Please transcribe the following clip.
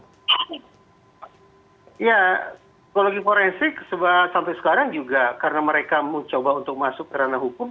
ya psikologi forensik sampai sekarang juga karena mereka mencoba untuk masuk ke ranah hukum